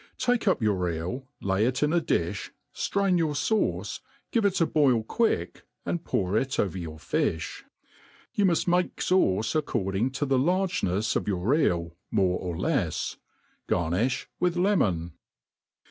Take up your eeL ^y it in a difli, firain your fauce, give ita )>oiil fiuick, and pour it over your fifl). You muft make fauce according t^ the largenefs of your eel^ more or lefs. Garniih with lemon.